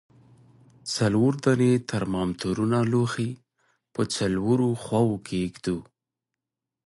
څلور دانې ترمامترونه لوښي په څلورو خواو کې ږدو.